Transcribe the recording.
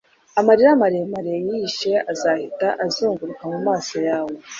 amarira maremare yihishe azahita azunguruka mu maso yawe